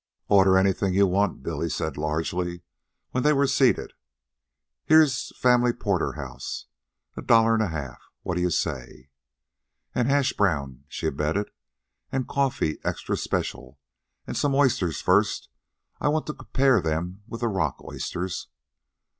"Order anything you want," Billy said largely, when they were seated. "Here's family porterhouse, a dollar an' a half. What d'ye say?" "And hash browned," she abetted, "and coffee extra special, and some oysters first I want to compare them with the rock oysters."